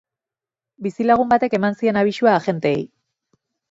Bizilagun batek eman zien abisua agenteei.